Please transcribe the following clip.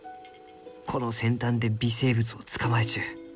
この先端で微生物を捕まえちゅう。